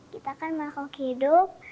kita kan makhluk hidup